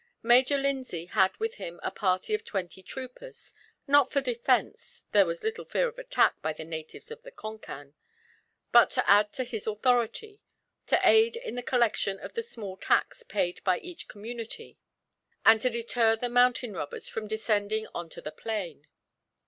Major Lindsay had with him a party of twenty troopers, not for defence there was little fear of attack by the natives of the Concan but to add to his authority, to aid in the collection of the small tax paid by each community, and to deter the mountain robbers from descending on to the plain.